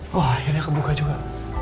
wah akhirnya kebuka juga